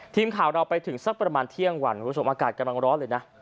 ทีมข่าวเราไปถึงสักประมาณเที่ยงวันคุณผู้ชมอากาศกำลังร้อนเลยนะ